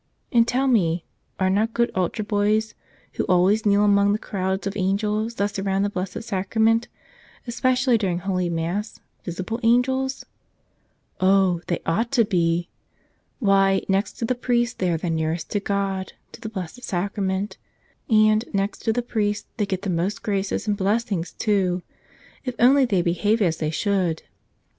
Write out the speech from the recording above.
And, tell me, are not good altar boys, who always kneel among the crowds of angels that surround the Blessed Sacrament, especially during Holy Mass, vis¬ ible angels? Oh, they ought to be! Why, next to the priest they are the nearest to God, to the Blessed Sac¬ rament. And, next to the priest, they get the most graces and blessings, too, if only they behave as they should